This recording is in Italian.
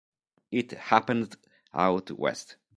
It Happened Out West